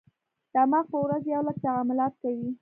دماغ په ورځ یو لک تعاملات کوي.